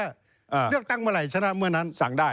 เลือกตั้งเมื่อไหร่ชนะเมื่อนั้นสั่งได้